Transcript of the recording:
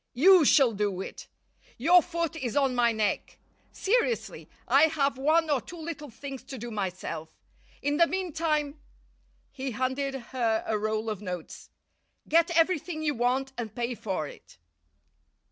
You shall do it. Your foot is on my neck. Seriously, I have one or two little things to do myself. In the meantime" he handed her a roll of notes "get everything you want and pay for it."